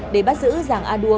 để bắt giữ giàng a đua